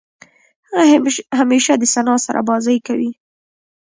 هغه همېشه د ثنا سره بازۍ کوي.